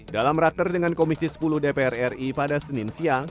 dalam raker dengan komisi sepuluh dpr ri pada senin siang